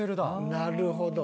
「なるほど」